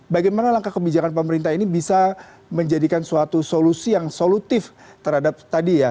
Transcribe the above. bagaimana langkah kebijakan pemerintah ini bisa menjadikan suatu solusi yang solutif terhadap tadi ya